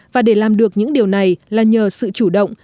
và để làm được những điều này là nhờ sự chủ động